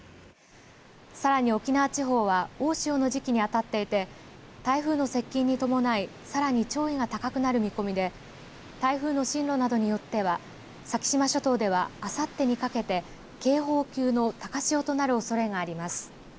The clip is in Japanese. さらに沖縄地方では大潮の時期に当たっていて台風の接近に伴いさらに潮位が高くなる見込みで台風の進路などによっては先島諸島ではあさってにかけて警報級の高潮となるおそれがあります。